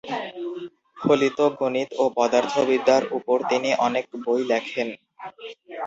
ফলিত গণিত ও পদার্থবিদ্যার উপর তিনি অনেক বই লেখেন।